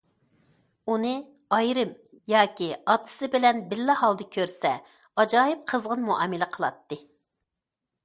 ئۇنى ئايرىم ياكى ئاتىسى بىلەن بىللە ھالدا كۆرسە ئاجايىپ قىزغىن مۇئامىلە قىلاتتى.